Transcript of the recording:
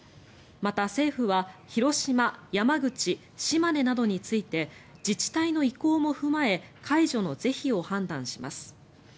また政府は広島、山口、島根などについて自治体の意向も踏まえ解除の是非を判断します。